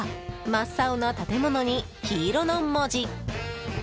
真っ青な建物に黄色の文字。